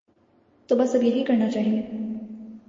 تو بس اب یہی کرنا چاہیے۔